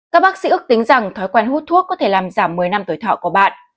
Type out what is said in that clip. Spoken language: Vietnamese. các bác sĩ ước tính rằng thói quen hút thuốc có thể làm giảm một mươi năm tuổi thọ của bạn